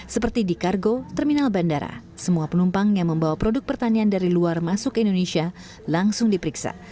seperti di kargo terminal bandara semua penumpang yang membawa produk pertanian dari luar masuk ke indonesia langsung diperiksa